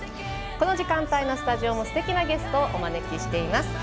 この時間帯のスタジオもすてきなゲストをお招きしています。